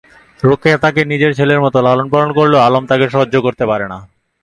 রোকেয়া তাকে নিজের ছেলের মত লালন পালন করলেও আলম তাকে সহ্য করতে পারে না।